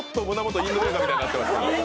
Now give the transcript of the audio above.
インド映画みたいになってますよ。